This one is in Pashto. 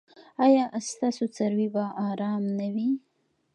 ایا ستاسو څاروي به ارام نه وي؟